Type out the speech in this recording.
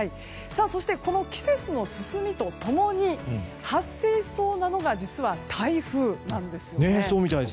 そして、この季節の進みと共に発生しそうなのが台風なんですね。